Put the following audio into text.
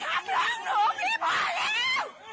พี่อย่าไปทำตั้งหนูพี่พอแล้ว